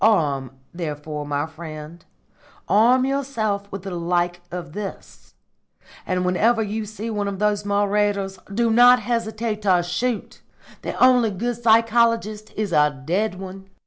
Arm, therefore, my friend arm yourself with the like of this; and whenever you see one of those marauders, do not hesitate to shoot! The only good psychologist is a dead one."